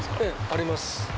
あります。